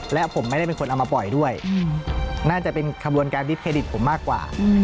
และผมไม่ได้เป็นคนเอามาปล่อยด้วยน่าจะเป็นขบวนการดิบเครดิตผมมากกว่า